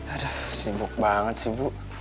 aduh sibuk banget sih bu